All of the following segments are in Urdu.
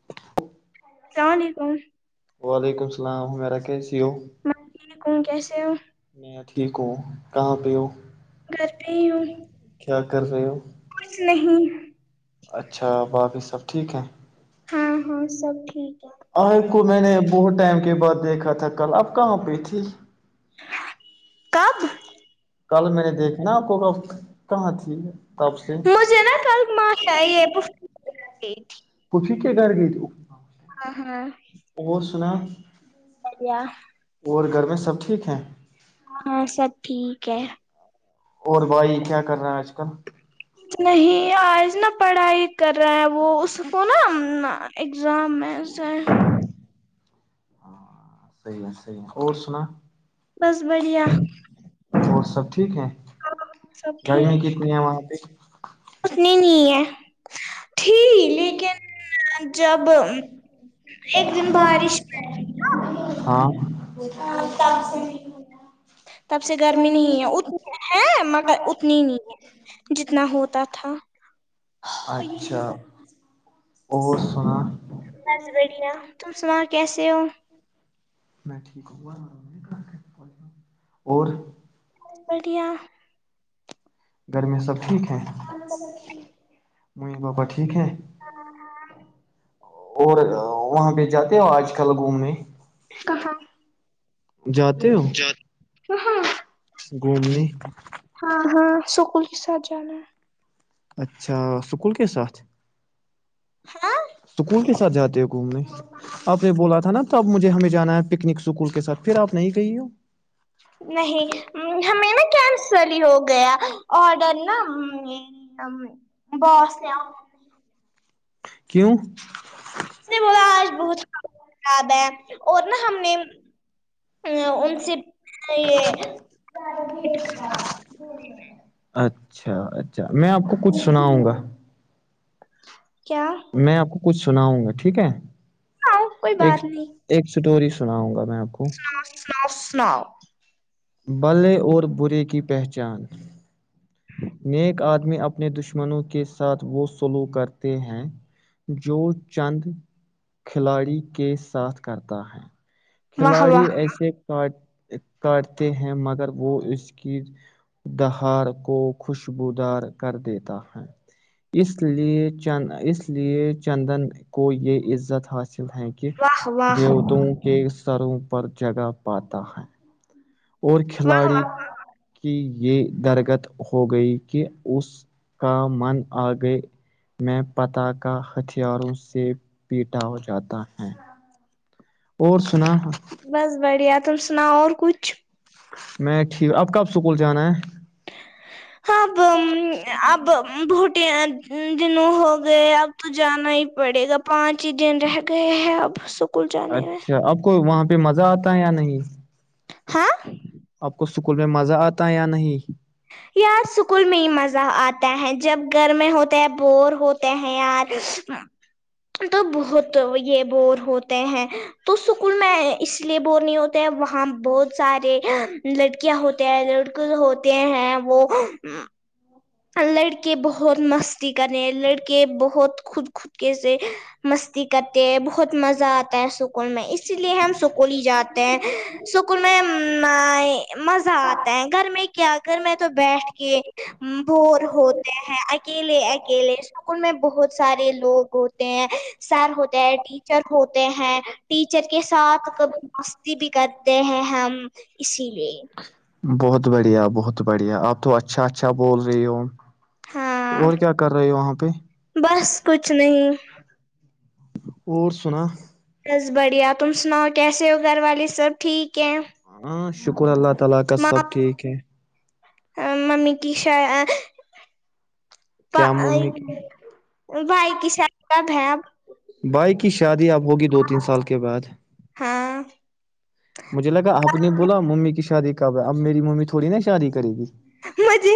[inaudible] اللام علیکم وعلیکم اللام ہمیرا کیسی ہو میں ٹھیک ہوں کیسے ہوں میں ٹھیک ہوں کہاں پہ ہ کرتی ہی ہوں کیا کر رہے ہو اسنی اچھا باقی سب ٹھیک ہے ہاں ہاں سب ٹھیک ہے آر کو میں نے بہت ٹائم کے بعد دیکھا تھا کل اب کہاں پہ تھی [unintelligible] کب کل میں نے دیکھنا آپ کو کہاں تھی تب سے مجھے نا کل ماں چاہیے گئی تھی تو پ کے گ گئی ت ہاں ہاں بڑیا اور گھر میں سب ٹھیک ہیں ہاں سب ٹھیک ہے اور بھائی کیا کر رہا ہیں آج کل نہیں آج نا پڑھائی کر رہا ہے وہ اس کو نا اگزام ہے سار ہاں سحیح ہے سحیح ہے اور سنا بس بڑھیا اور سب ٹھیک ہے سب گرمی ٹھیک کتنی ہے وہاں پہ اتنی نہیں ہے تھی لیکن جب ایک دن بارش پ ہاں تب تب سے گرمی نہیں ہے اتنی ہے مگر اتنی ہی نہیں ہے جتنا ہوتا تھا اچھا اور سنا بس بڑیا تم سنا کیسے ہو میں ٹھیک ہ اور پٹیا گھر میں سب ٹھیک ہے م بابا ٹھیک ہے اور وہاں پہ جاتے ہو آج کل گھومنے کہاں جاتے ہو کہاں گھومنے ہاں ہاں سکول کے ساتھ جانا ہے اچھا سکول کے ساتھ ہاں سکول کے ساتھ جاتے ہو گھومنے آپ نے بولا تھا نا اب مجھے ہمیں جانا ہے پکنک سکول کے ساتھ پھر آپ نہیں گئی ہو نہیں ہمیں نا کینسل ہی ہو گیا آڈر نا بس لیا کیوں اس نے بولا آج بہت خراب ہے اور نہ ہم نے ا ان سے یہٹ اچھا اچھا میں آپ کو کچھ سناؤں گا کیا میں آپ کو کچھ سناؤں گا ٹھیک ہے ہ کوئی ایک بات نہیں ایک اسٹوری سناؤں گا میں آپ کو ناؤ سناؤ بلے اور برے کی پہچان نیک آدمی اپنے دشمنوں کے ساتھ وہ سلو کرتے ہیں جو چند کھلاڑی کے ساتھ کرتا ہے واہ کھلاڑی واہ ایسے کاٹ کاٹتے ہیں مگر وہ اس کی دہار کو خوشبودار کر دیتا ہے اس لیے چ اس لیے چندن کو یہ عزت حاصل ہے واہ واہ دیوتوں کے ستروں پر جگا پاتا ہے اور کھلاڑی کی یہ درگت ہو گئی کہ اس کا من آ گے میں پتا کاا ہتھیاروں سے پیٹا ہو جاتا ہے اور سنا بس بڑھیا تم سناؤ اور کچھ میں ٹھیک اب کب اسکول جانا ہے اب اب بھوٹ دنوں ہو گئے اب تو جانا ہی پڑے گا پانچ ہی دن رہ گئے ہیں اب جانے میں اچھا اب کو وہاں پہ مزہ آتا ہے یا نہیں ہاں آپ کو سکول میں مزہ آتا ہے یا نہیں یار سکون میں ہی مزہ آتا ہے جب گرم ہوتا ہے بور ہوتا تے ہے یا تو بہت یہ بور ہوتے ہیں تو سکول میں اس لیے بور نہیں ہوتے ہیں وہاں بہت سارے لڑکیاں ہوتے ہیں لڑکے ہوتے ہیں وہ لڑکے بہت مستی کرے لڑکے بہت خود خودک سے مستی کرتے ہیں بہت مزہ آتا ہے سکول میں اسی لیے ہم سکول ہی جاتے ہیں سکول میں مزہ آتا ہے گھر میں کیا کر میں تو بیٹھ کے بور ہوتے ہیں اکیلے اکیلے سکول میں بہت سارے لوگ ہوتے ہیں سر ہوتے ہیں ٹیچر ہوتے ہیں ٹیچر کے ساتھ کب مستی بھی کرتے ہیں ہم اسی لیے بہت بڑھیا بہت بڑھیا آپ تو اچھا اچھا بول رہی ہو ہاں اور کیا کر رہے وہاں پہ بس کچھ نہیں اور سنا بس بڑھیا تم سناؤ کیسے ہو گھر والے سب ٹھیک ہیں ہمم شکر اللہ تعالی کا سب ماں ٹھیک ہے ممی کی شا کیا ممی کی بھائی کی شاید کب ہے اب بائی کی شادی اب ہوگی دو تین سال کے بعد ہاں مجھے لگا آپ نے بولا ممی ک شادی کب ہے اب میری ممی تھوڑی نا شاد کرے گی مھے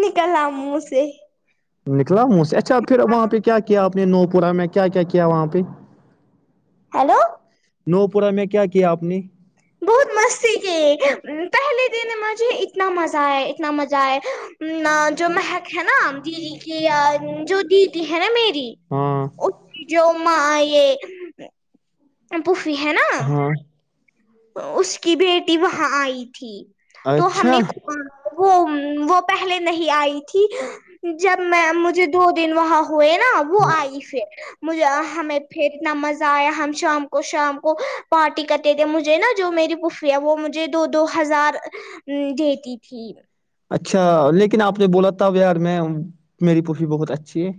نکلا مہ سے نکلا م سے اچھا پھر وہاں پہ کیا کیا آپ نے نو پورہ میں کیا کیا کیا وہاں پہ ہیلو نو پورہ میں کیا کیا آپ نے بہت مز پہلے دن مجھے اتنا مزہ آئے اتنا مزہ آ جو مہک ہے نا دیدی کی جو دیدی ہے نا میری ہاں جو ما یہ پوفی ہے نا ہاں اس کی بیٹی وہاں آئی تھی تو ہم نے اچھا وہ وہ پہلے نہیں آئی تھی جب میں مجھے دو دن وہاں ہوئے نا وہ آئی پھر مجھے ہمیں پھر اتنا مزہ آیا ہم شام کو شام کو پارٹی کرتے تھے مجھے نا جو میری پفی ہے وہ مجھے دو دو ہزار دیتی تھی اچھا لیکن آپ نے بولا تھا یار میں میری پوفی بہت اچھی ہے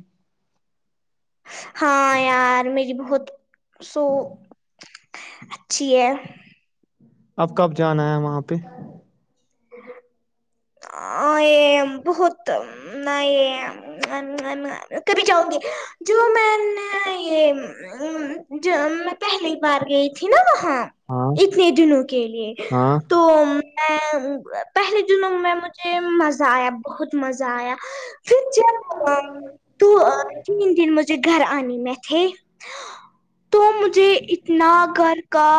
ہاں یار میری بہت سو اچھی ہے اب کب جانا ہے وہاں پہ [inaudible] آ یہ بہت نیے کبھی جاؤں گی جو میں نے یہ ج میں پہلی بار گئی تھی نا ہاں اتنے دنوں کے لیے ہاں تو ا پہلے جنوں میں مجھے مزہ آیا بہت مزہ آیا پھر ج تو تین دن مجھے گھر آنے م تھے تو مجھے اتنا گھر کا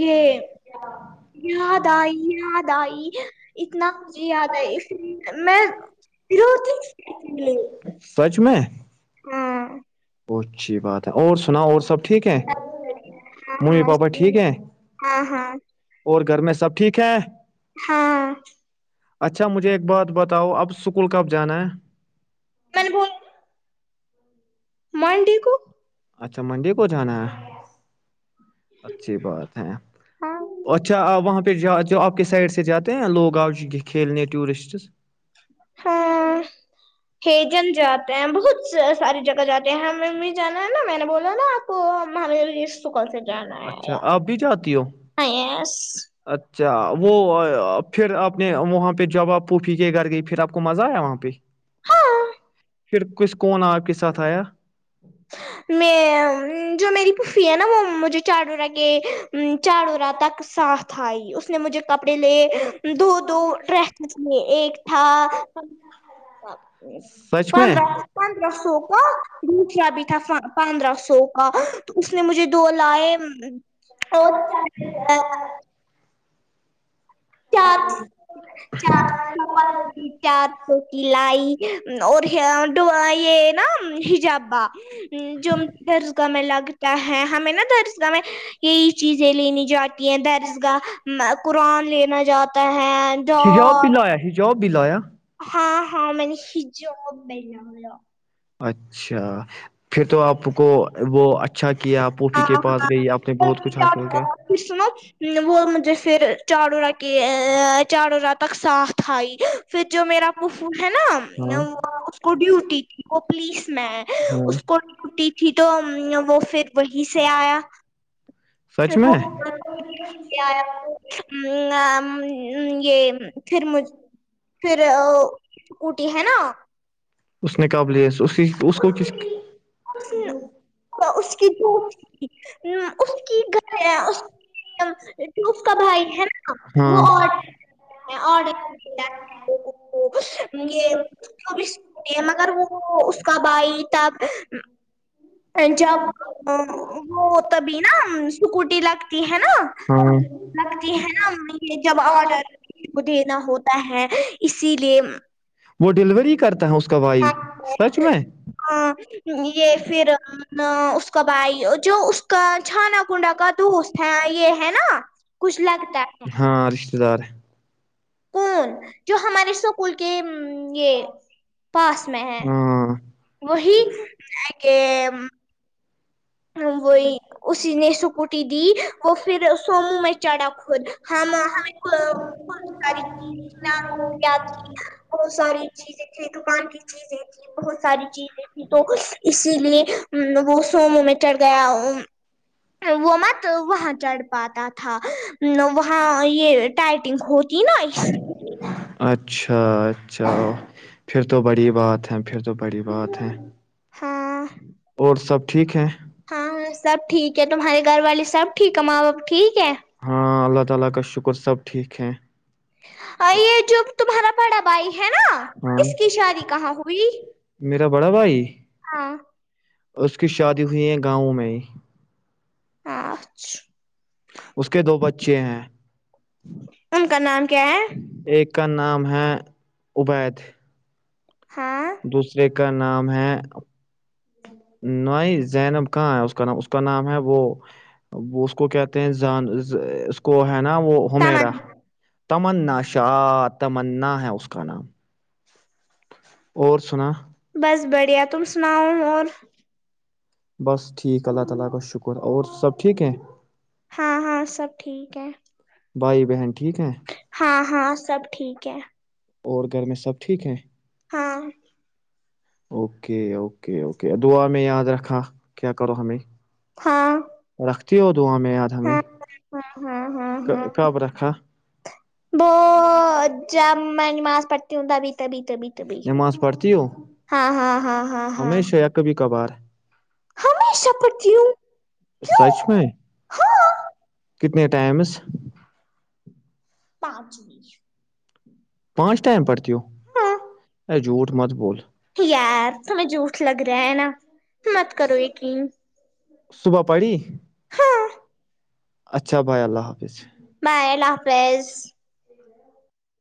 یہ یاد آئی یاد آئی اتنا مجھے یاد نہیں میں پ رو سوچ میں ہاں ب اچھی بات ہے اور سنا اور سب ٹھیک ہے ہاں ممی ہاں پاپا ٹھیک ہے ہاں ہاں اور گھر میں سب ٹھیک ہے ہاں اچھا مجھے ایک بات بتاؤ اب اسکول کب جانا ہے میں نے بول مانڈی کو اچھا منڈے کو جانا ہاں ہے یس اچھی بات ہے ہاں اچھا وہاں پہ پہ جو آپ کے سائڈ سے جاتے ہیں لوگ آ ج کھیلنے ٹورسٹس ہاں ہجن جاتے ہیں بہت ساری جگہ جاتے ہیں ہم ا بھی جانا ہے نا میں نے بولا نا آپ وہ مہاابیر کے سکل سے جانا ہے اچھا یار آپ بھی جاتی ہو ہاں س اچھا وہ پھر آپ نے وہاں پہ جوباب پوفی کے گھر گئی پھر آپ کو مزہ آیا وہاں پہ ہاں پھر کچھ کون آپ کے ساتھ آیا میں جو میری پھفی ہے نا وہ مجھے چارڈورا کے چاارو رات تک ساتھ آئی اس نے مجھے کپڑے لے دو دو ڈریسز میں ایک تھا اپی سچ میں پندرہ سو کا بھی تھا پندرہ سو کا تو اس نے مجھے دو لائے [inaudible] چار چار چار تو کی لائی اور یہ نا ہجابا جو درسگاہ میں لگتا ہے ہمیں نا درسگاہ میں یہی چیزیں لینی جاتی ہیں درسگاہ قرآن لینا جاتا ہے شجواب بھی ڈاٹ لایا شجواب بھی لایا ہاں ہاں م نے ہجو بین ہو ل اچھا پھر تو آپ کو وہ اچھا کیا آپ پوفی کے پاس گئی آپ نے بہت کچھ حاصل کیا کشنااتھ وہ مجھے پھر چاار ر کے چاار ر تک ساتھ آئی پھر جو میرا پھو ہے نا ہاں وہ اس کو ڈیوٹی وہ پلیس میں ہاں اس کو وٹی تھی تو وہ پھر وہی سے آیا سچ میں کیا یہ پھر م پھر اسکٹی ہے نا اس نے قابل اس کی اس کو ک [unintelligible] اس کی دو اس کی گھر وف کا بھائی ہے نا وہ ہاں اور آڈر ہاں [unintelligible] یہ بھی مگر وہ اس کا بھائی تب ا جب وہ تبھی نا سکوٹی لگتی ہے نا لگتی ہے نا جب آڈر کو دینا ہوتا ہے اسی لیے وہ ڈیلیوری کرتا ہے اس کا بھائی سچ میں ہاں یہ پھر اس کا بھائی جو اس کا چھانا کنڈا کا دوست ہے یہ ہے نا کچھ لگتا ہے ہاں رشتے دار کون جو ہمارے اسکول کے یہ پاس میں ہے ہاں وہی آگے ہ وہی اسی نے سکٹی دی اور پھر سومو میں چڑھا خود ہم خ ل گ آ بہت ساری چیزیں تھھی دکان کی چیزیں تھی بہت ساری چیز تو اسی لیے وہ سومو میں چڑھ گیا وہ مت وہاں چڑھ پاتا تھا وہاں یہ ٹائٹنگ ہوتی نا اس لیے۔ اچھا اچھا پھر تو بڑی بات ہے پھر تو بڑی بات ہے ہاں اور سب ٹھیک ہیں ہاں ہاں سب ٹھیک ہے تمہارے گھر والے سب ٹھیک ہے ماں باپ ٹھیک ہے [unintelligible] یہ جو تمہارا بڑا بھائی ہے نا ہاں اس کی شادی کہاں ہوئی میرا بڑا بھائی ہاں اس کی شادی ہوئی ہے گاؤں میں اچھ اس کے دو بچے ہیں ان کا نام کیا ہے ایک کا نام ہے عبید ہاں دوسرے کا نام ہے نوائ زینب کہاں ہے اس کا نام اس کا نام ہے وہ وہ اس کو کہتے ہیں اس کو ہے نا وہ ہومیرا تمن تمنا شاہ تمنا ہے اس کا نام اور سنا بس بڑھیا تم سناؤ اور [unintelligible] ہاں ہاں سب ٹھیک ہے بھائی بہن ٹھیک ہے ہاں ہاں سب ٹھیک ہے اور گھر میں سب ٹھیک ہیں ہاں اوکے اوکے اوکے دعا میں یاد رکھا کیا کرو ہمیں ہاں رکھتی ہو دعاںیں یاد ہمیں ہاں ہاں ہاں ہاں ہاں کب رکھا وہ جب میں نماز پڑھتی ہوں تبھی تبھی تبھی نماز پڑھتی ہو ہاں ہاں ہاں ہاں ہاں ہمیشہ ہ یا کبھی کبھار ہشہ پڑتی ہوں کیوں سچ میں ہاں کتنے ائمس پانچویں پانچ ٹائم پڑتی ہو ہاں ارے جھوٹ مت بول یار تمہیں جوٹ لگ رہا ہے نا مت کرو یقین صبح پڑ ہاں اچھا بھائے اللہ حافظ میں ال حافظ